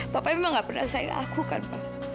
papa memang nggak pernah sayang aku kan pak